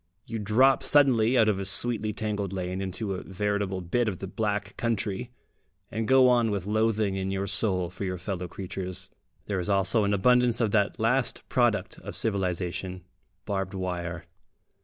You drop suddenly out of a sweetly tangled lane into a veritable bit of the Black Country, and go on with loathing in your soul for your fellow creatures. There is also an abundance of that last product of civilisation, barbed wire.